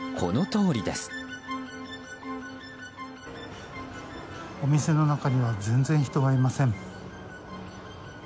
お店の中には全然人がいません。